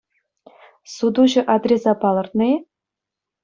Сутуҫӑ адреса палӑртнӑ-и?